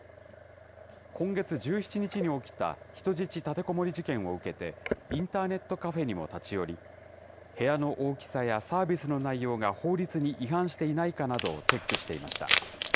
今月１７日に起きた人質立てこもり事件を受けて、インターネットカフェにも立ち寄り、部屋の大きさやサービスの内容が法律に違反していないかなどをチェックしていました。